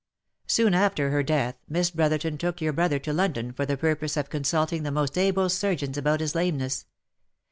Soon after her death, Miss Brotherton took your brother to London for the purpose of consulting the most able surgeons about his lameness.